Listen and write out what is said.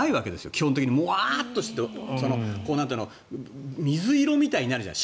基本的にモワッとして水色みたいになるじゃない。